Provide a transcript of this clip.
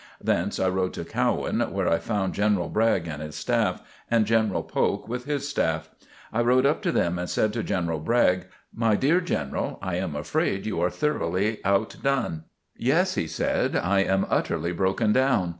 Thence I rode to Cowan, where I found General Bragg and his staff, and General Polk with his staff. I rode up to them and said to General Bragg: "My dear General, I am afraid you are thoroughly outdone." "Yes," he said, "I am utterly broken down."